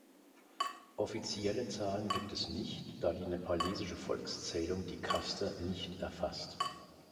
Offizielle Zahlen gibt es nicht, da die nepalesische Volkszählung die Kaste nicht erfasst.